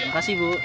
terima kasih bu